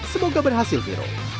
semoga berhasil viro